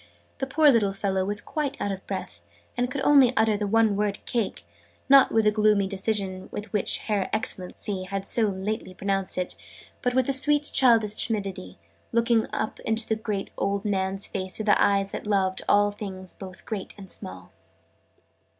The poor little fellow was quite out of breath, and could only utter the one word "Cake!" not with the gloomy decision with which Her Excellency had so lately pronounced it, but with a sweet childish timidity, looking up into the old man's face with eyes that loved 'all things both great and small.'